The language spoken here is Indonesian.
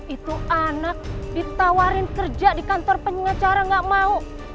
itu anak ditawarin kerja di kantor penyelenggara gak mau